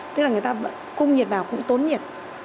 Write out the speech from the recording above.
tức là người ta cung nhiệt vào cũng tốn nhiệt